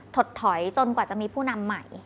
ถดถอยจนกว่าจะมีผู้นำใหม่